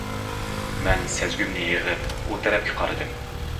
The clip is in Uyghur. مەن سەزگۈمنى يىغىپ ئۇ تەرەپكە قارىدىم.